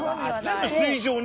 全部水上に？